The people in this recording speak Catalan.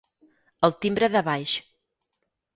El timbre de baix.